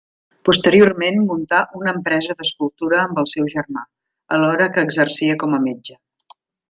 Posteriorment muntà una empresa d'escultura amb el seu germà, alhora que exercia com a metge.